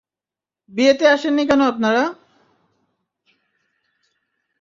বিয়েতে আসেননি কেন আপনারা?